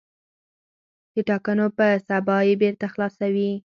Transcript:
د ټاکنو په سبا یې بېرته خلاصوي.